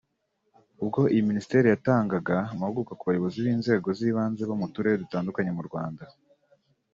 ubwo iyi Minisiteri yatangaga amahugurwa ku bayobozi b’inzego z’ibanze bo mu turere dutandukanye mu Rwanda